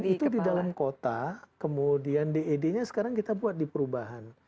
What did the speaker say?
dan itu di dalam kota kemudian ded nya sekarang kita buat di perubahan